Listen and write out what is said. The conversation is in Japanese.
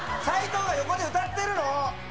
斉藤が横で歌ってるの！